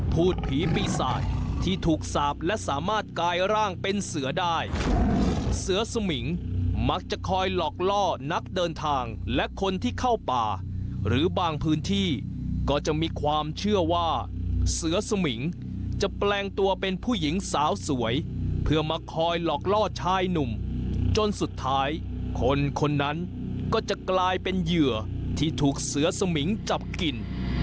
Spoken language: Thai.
พูดผีปีศาจที่ถูกสาบและสามารถกายร่างเป็นเสือได้เสือสมิงมักจะคอยหลอกล่อนักเดินทางและคนที่เข้าป่าหรือบางพื้นที่ก็จะมีความเชื่อว่าเสือสมิงจะแปลงตัวเป็นผู้หญิงสาวสวยเพื่อมาคอยหลอกล่อชายหนุ่มจนสุดท้ายคนคนนั้นก็จะกลายเป็นเหยื่อที่ถูกเสือสมิงจับกิน